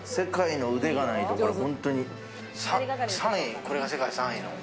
これが世界３位の。